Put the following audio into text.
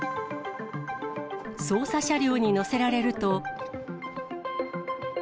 捜査車両に乗せられると。